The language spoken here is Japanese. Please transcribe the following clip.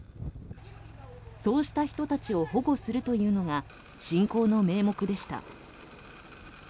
そうした人たちを保護するというのが侵攻の名目でした。